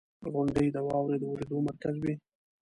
• غونډۍ د واورې د اورېدو مرکز وي.